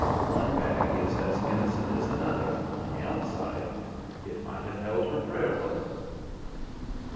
One bag is as innocent as another, on the outside; it might have held her Prayer Book.)